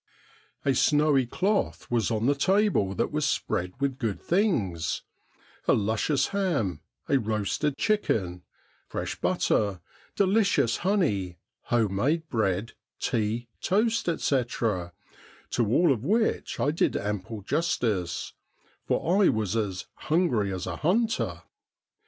A snowy cloth was on the table that was spread with good things — a luscious ham, a roasted chicken, fresh butter, delicious honey, home made bread, tea, toast, &c, to all of which I did ample justice, for I was as ' hungry as a hunter.'